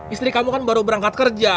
istri kamu kan baru berangkat kerja